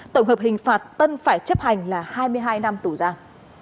tổng hợp hình phạt tân phải chấp hành là hai mươi hai năm tù giam